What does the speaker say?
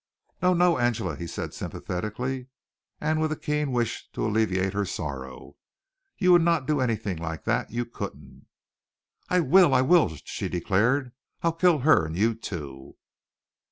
"No, no, Angela," he said sympathetically and with a keen wish to alleviate her sorrow. "You would not do anything like that. You couldn't!" "I will! I will!" she declared. "I'll kill her and you, too!"